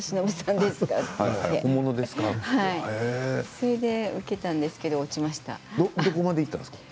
それで受けたんですけれど落ちました。